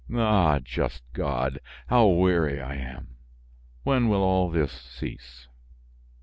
Ah! just God! How weary I am! When will all this cease?"